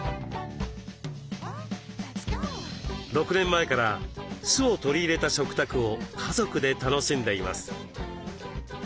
６年前から酢を取り入れた食卓を家族で楽しんでいます。